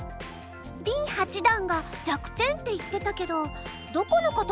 林八段が弱点って言ってたけどどこのことなの？